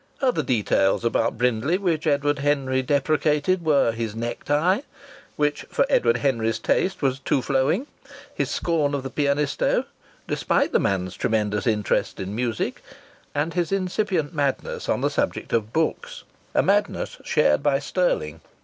Other details about Brindley which Edward Henry deprecated were his necktie, which, for Edward Henry's taste, was too flowing, his scorn of the Pianisto (despite the man's tremendous interest in music) and his incipient madness on the subject of books a madness shared by Stirling.